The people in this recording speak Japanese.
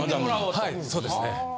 はいそうですね。